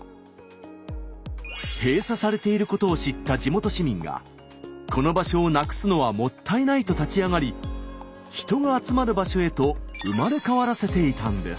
閉鎖されていることを知った地元市民が「この場所をなくすのはもったいない」と立ち上がり人が集まる場所へと生まれ変わらせていたんです。